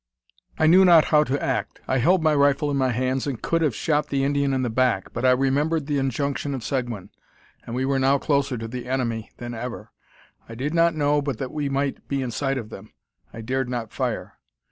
I knew not how to act. I held my rifle in my hands, and could have shot the Indian in the back; but I remembered the injunction of Seguin, and we were now closer to the enemy than ever. I did not know but that we might be in sight of them. I dared not fire.